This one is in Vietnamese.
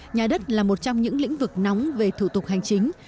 nhà đất là một trong những lĩnh vực nóng về thủ tục hành chính